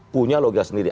punya logika sendiri